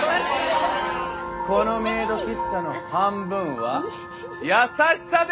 このメイド喫茶の半分は優しさで！